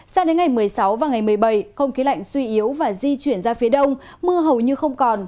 sao đến ngày một mươi sáu và ngày một mươi bảy không khí lạnh suy yếu và di chuyển ra phía đông mưa hầu như không còn